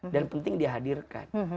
dan penting dihadirkan